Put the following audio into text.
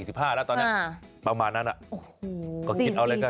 ๓๕๔๕บาทแล้วตอนนี้ประมาณนั้นก็คิดเอาอะไรกัน